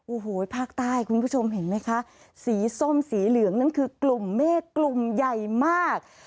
โอ้โหภาคใต้คุณผู้ชมเห็นไหมคะสีส้มสีเหลืองนั่นคือกลุ่มเมฆกลุ่มใหญ่มาก